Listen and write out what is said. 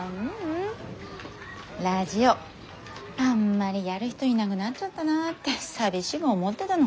ラジオあんまりやる人いなぐなっちゃったなって寂しぐ思ってだの。